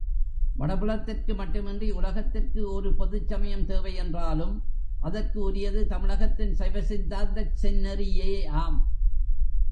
வடபுலத்திற்கு மட்டுமின்றி உலகத்திற்கு ஒரு பொதுச் சமயம் தேவை என்றாலும் அதற்கு உரியது தமிழகத்தின் சைவ சித்தாந்தச் செந்நெறியேயாம்.